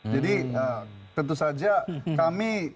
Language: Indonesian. jadi tentu saja kami